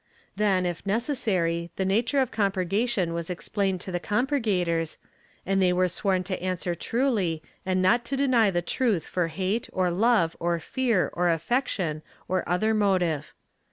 Then, if necessary, the nature of compurgation was explained to the compurgators and they were sworn to answer truly and not to deny the truth for hate, or love, or fear, or affection, or other motive.